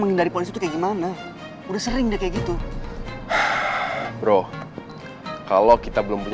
gak usah gak apa apa bi